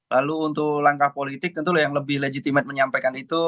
lalu untuk langkah politik tentu yang lebih legitimate menyampaikan itu